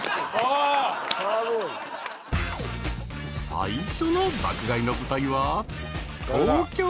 ［最初の爆買いの舞台は東京都］